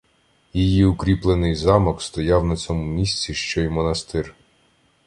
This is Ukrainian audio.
Її укріплений замок стояв на цьому місці, що й монастир.